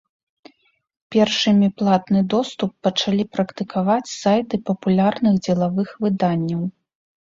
Першымі платны доступ пачалі практыкаваць сайты папулярных дзелавых выданняў.